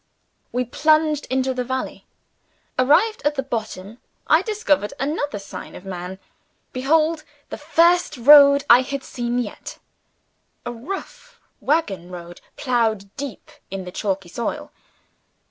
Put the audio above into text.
We plunged into the valley. Arrived at the bottom, I discovered another sign of Man. Behold the first road I had seen yet a rough wagon road ploughed deep in the chalky soil!